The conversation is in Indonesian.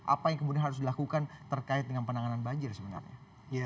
apa yang kemudian harus dilakukan terkait dengan penanganan banjir sebenarnya